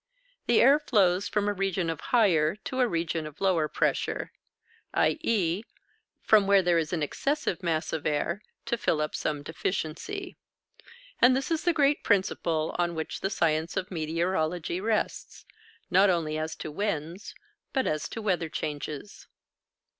The air flows from a region of higher to a region of lower pressure, i.e. from where there is an excessive mass of air to fill up some deficiency. And this is the great principle on which the science of meteorology rests, not only as to winds, but as to weather changes.